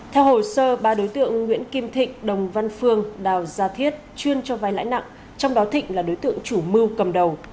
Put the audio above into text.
theo hồ sơ ba đối tượng nguyễn kim thịnh đồng văn phương đào gia thiết chuyên cho vai lãi nặng trong đó thịnh là đối tượng chủ mưu cầm đầu